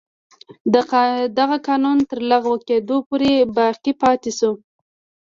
دغه قانون تر لغوه کېدو پورې باقي پاتې شو.